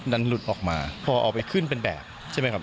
หลุดออกมาพอเอาไปขึ้นเป็นแบบใช่ไหมครับ